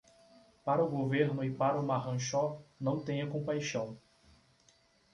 Para o governo e para o marranxó, não tenha compaixão.